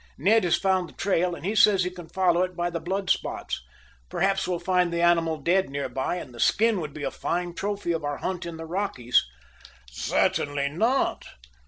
"Ned has found the trail, and says he can follow it by the blood spots. Perhaps we'll find the animal dead near by, and the skin would be a fine trophy of our hunt in the Rockies." "Certainly not.